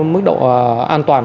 mức độ an toàn